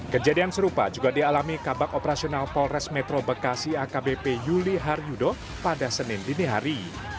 kejadian serupa juga dialami kabak operasional polres metro bekasi akbp yuli haryudo pada senin dinihari